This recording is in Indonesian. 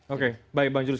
oke baik bang julius